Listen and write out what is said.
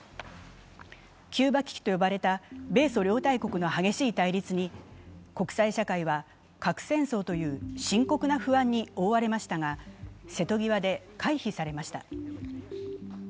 キューバ危機と呼ばれた米ソ両大国の激しい対立に国際社会は、核戦争という深刻な不安に覆われましたが、瀬戸際で回避されました。